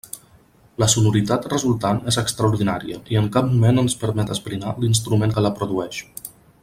La sonoritat resultant és extraordinària, i en cap moment ens permet esbrinar l'instrument que la produeix.